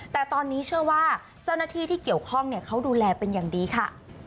แต่ตอนนี้เชื่อว่าเจ้าหน้าที่ที่เกี่ยวข้องเขาดูแลเป็นอย่างดีค่ะ